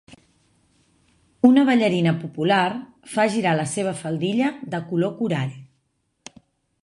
Una ballarina popular fa girar la seva faldilla de color corall.